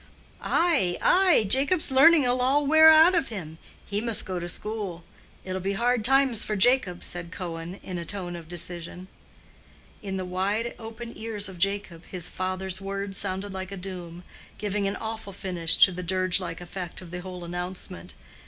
"Ay, ay, Jacob's learning 'ill all wear out of him. He must go to school. It'll be hard times for Jacob," said Cohen, in a tone of decision. In the wide open ears of Jacob his father's words sounded like a doom, giving an awful finish to the dirge like effect of the whole announcement.